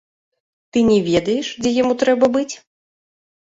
Ты не ведаеш, дзе яму трэба быць?